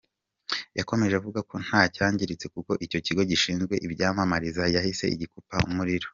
Yakomeje avuga ko nta cyangiritse kuko Ikigo Gishinzwe iby’Amashanyarazi cyahise gikupa umuriro.